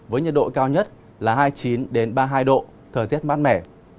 với nhiệt độ cao nhất là hai mươi chín ba mươi hai độ thời tiết mát mẻ